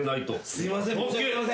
すいません。